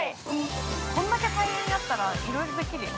◆こんだけ大量にあったらいろいろできるよ。